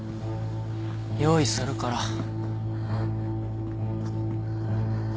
用意するから。